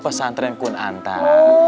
pesantren kun antar